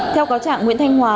theo cáo trạng nguyễn thanh hòa